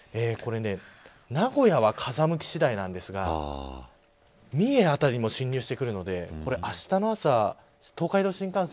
名古屋は風向き次第なんですが三重辺りも進入してくるのであしたの朝東海道新幹線、